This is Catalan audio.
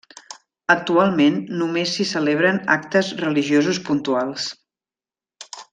Actualment només s'hi celebren actes religiosos puntuals.